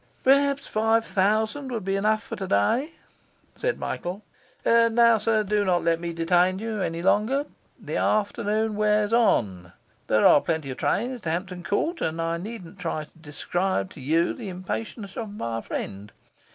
'Perhaps five thousand would be enough for today,' said Michael. 'And now, sir, do not let me detain you any longer; the afternoon wears on; there are plenty of trains to Hampton Court; and I needn't try to describe to you the impatience of my friend.